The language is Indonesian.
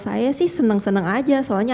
saya sih senang senang saja soalnya